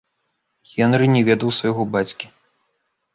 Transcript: Генры не ведаў свайго бацькі.